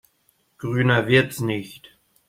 Grüner wird's nicht.